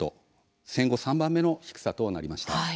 戦後３番目の低さとなりました。